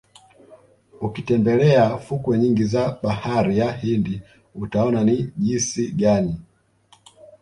Ukitembelea fukwe nyingi za Bahari ya Hindi utaona ni jisi gani